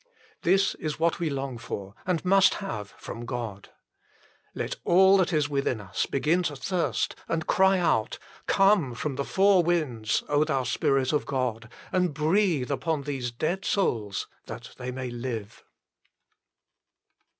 This is what we long for and must have from God. Let all that is within us begin to thirst and cry out :" Come from the four winds, thou Spirit of God, and breathe upon these dead souls, that they may live."